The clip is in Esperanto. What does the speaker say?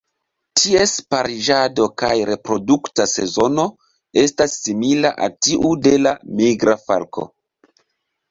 Ties pariĝado kaj reprodukta sezono estas simila al tiu de la Migra falko.